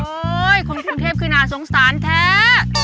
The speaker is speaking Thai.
โอ๊ยคนภูเทศคือน่าสงสารแท้